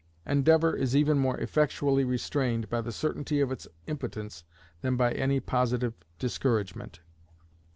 Endeavour is even more effectually restrained by the certainty of its impotence than by any positive discouragement.